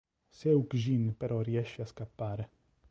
Seukjin però riesce a scappare.